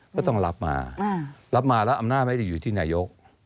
ก็ต้องรับมารับมาแล้วอำนาจไม่ได้อยู่ที่นายก